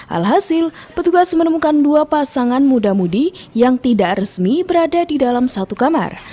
alhasil petugas menemukan dua pasangan muda mudi yang tidak resmi berada di dalam satu kamar